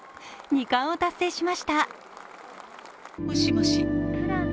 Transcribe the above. ２冠を達成しました。